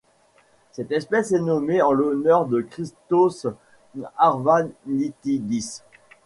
Cette espèce est nommée en l'honneur de Christos Arvanitidis.